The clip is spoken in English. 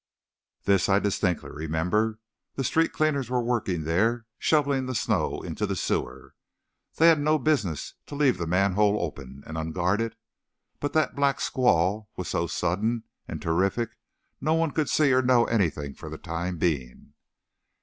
"This I distinctly remember, the street cleaners were working there, shoveling the snow into the sewer. They had no business to leave the manhole open and unguarded, but that black squall was so sudden and terrific, no one could see or know anything for the time being.